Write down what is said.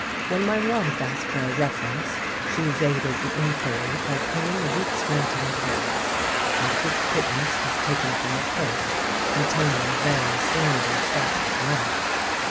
When my wife asked for a reference she evaded the inquiry by paying a week's rent in advance; and this pittance was taken from a purse containing a very slender stock of money.